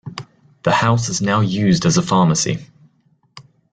The house is now used as a pharmacy.